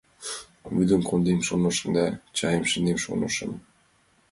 Вӱдым кондем, шонышым да, чайым шындем, шонышым